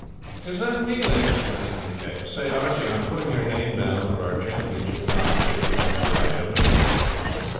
'Is that Mealing?' asked McCay. 'Say, Archie, I'm putting your name down for our championship competition. That's right, isn't it?'